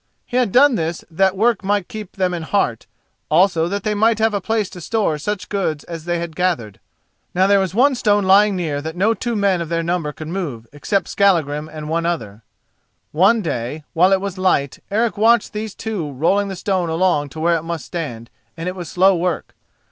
He had done this that work might keep them in heart, also that they might have a place to store such goods as they had gathered. Now there was one stone lying near that no two men of their number could move, except Skallagrim and one other. One day, while it was light, Eric watched these two rolling the stone along to where it must stand, and it was slow work.